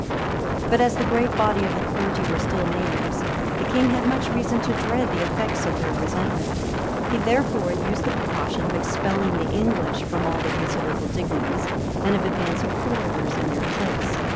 But as the great body of the clergy were still natives, the king had much reason to dread the effects of their resentment; he therefore used the precaution of expelling the English from all the considerable dignities, and of advancing foreigners in their place.